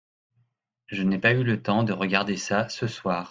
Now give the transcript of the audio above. Je n’ai pas eu le temps de regarder ça ce soir.